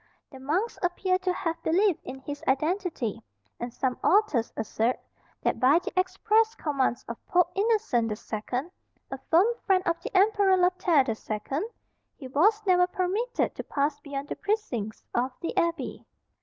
The monks appear to have believed in his identity, and some authors assert that by the express commands of Pope Innocent the Second, a firm friend of the Emperor Lothaire the Second, he was never permitted to pass beyond the precincts of the abbey.